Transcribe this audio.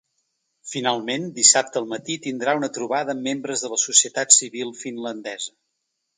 Finalment, dissabte al matí tindrà una trobada amb membres de la societat civil finlandesa.